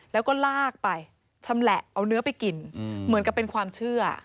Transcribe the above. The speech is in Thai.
แล้วก็ลากไปชำแหละเอาเนื้อไปกินเหมือนกับเป็นความเชื่อ